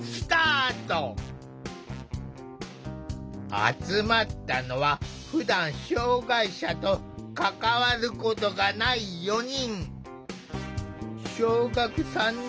集まったのはふだん障害者と関わることがない４人。